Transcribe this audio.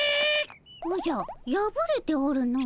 おじゃやぶれておるの。